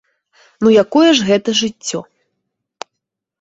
Ну, якое ж гэта жыццё!